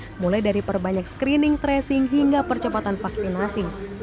terlebih dahulu dengan perbanyak screening tracing hingga percepatan vaksinasi